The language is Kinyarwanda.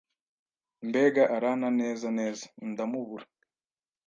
mbega aranta neza neza ndamubura